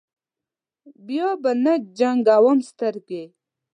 بیا به نه جنګوم سترګې.